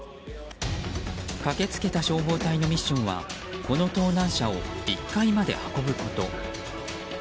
駆け付けた消防隊のミッションはこの盗難車を１階まで運ぶこと。